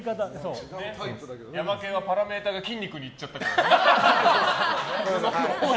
ヤマケンはパラメーターが筋肉にいっちゃった。